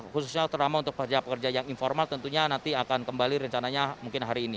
khususnya terutama untuk pekerja pekerja yang informal tentunya nanti akan kembali rencananya mungkin hari ini